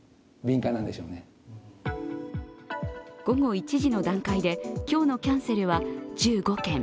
午後１時の段階で今日のキャンセルは１５件。